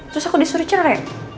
terus aku disuruh cerai